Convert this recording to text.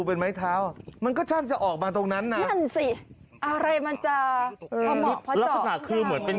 ก้อบมากกว่าความหล่อน